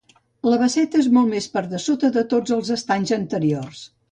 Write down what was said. La Basseta és molt per dessota de tots els estanys anteriors.